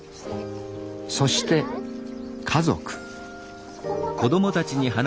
そして家族。